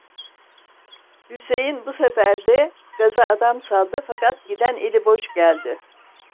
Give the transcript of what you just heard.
Hüseyin bu sefer de gaza adam saldı, fakat giden eli boş geldi.